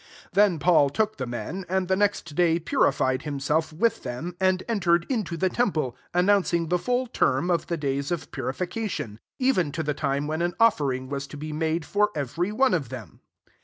"* £6 Then Paul took the men, and the next day purified himself, with them, and entered into the temple, announcing the full term of the days of purification ; even to the time when an offering was to be made for every one of them.